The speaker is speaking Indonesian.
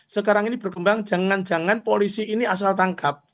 sekarang ini berkembang jangan jangan polisi ini asal tangkap